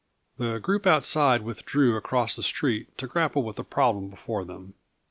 The group outside withdrew across the street to grapple with the problem before them.